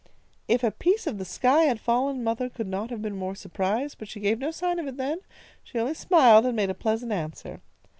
"If a piece of the sky had fallen, mother could not have been more surprised, but she gave no sign of it then. She only smiled and made a pleasant answer.